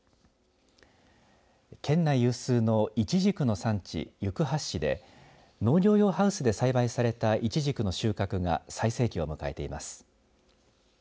県内有数のいちじくの産地行橋市で農業用ハウスで栽培されたいちじくの収穫が最盛期を迎えています。